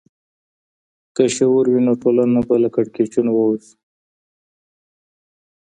که شعور وي، نو ټولنه به له کړکېچونو ووځي.